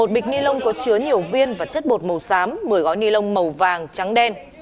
một bịch ni lông có chứa nhiều viên và chất bột màu xám một mươi gói ni lông màu vàng trắng đen